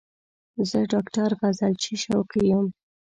زه ډاکټر غزلچی شوقی یم